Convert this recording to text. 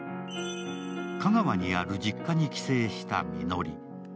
香川にある実家に帰省したみのり。